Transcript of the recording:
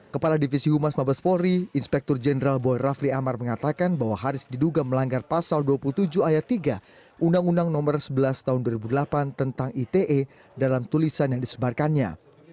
kepala divisi humas mabes polri inspektur jenderal boy rafli amar mengatakan bahwa haris diduga melanggar pasal dua puluh tujuh ayat tiga undang undang nomor sebelas tahun dua ribu delapan tentang ite dalam tulisan yang disebarkannya